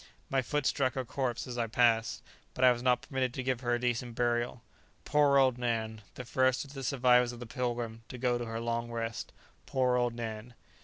My foot struck her corpse as I passed, but I was not permitted to give her a decent burial. Poor old Nan! the first of the survivors of the "Pilgrim" to go to her long rest! Poor old Nan!